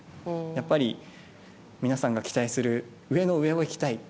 やっぱり皆さんが期待する上の上を行きたい。